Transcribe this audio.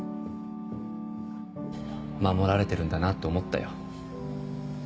守られてるんだなって思ったよ。